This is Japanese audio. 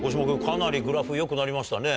かなりグラフ良くなりましたね。